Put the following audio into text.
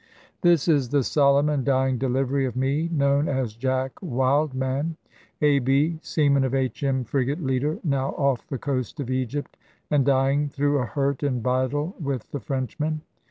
"This is the solemn and dying delivery of me, known as 'Jack Wildman,' A.B. seaman of H.M. frigate Leader, now off the coast of Egypt, and dying through a hurt in battle with the Frenchmen.